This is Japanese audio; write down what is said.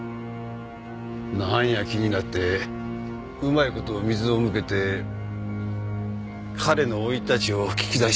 なんや気になってうまい事水を向けて彼の生い立ちを聞き出したんです。